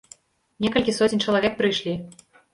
Некалькі соцень чалавек прыйшлі.